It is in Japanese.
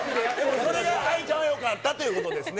それが愛梨ちゃんはよかったということですね。